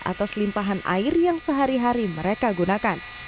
atas limpahan air yang sehari hari mereka gunakan